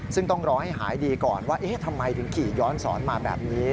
ซึ่งต้องรอให้หายดีก่อนว่าเอ๊ะทำไมถึงขี่ย้อนสอนมาแบบนี้